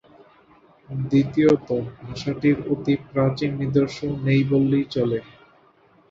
দ্বিতীয়ত, ভাষাটির অতি প্রাচীন নিদর্শন নেই বললেই চলে।